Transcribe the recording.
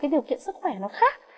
điều kiện sức khỏe nó khác